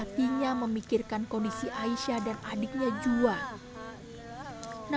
tapi ternyata bukan